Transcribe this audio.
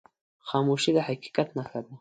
خاموشي، د حقیقت نښه ده.